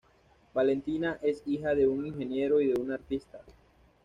Valentina es hija de un ingeniero y de una artista.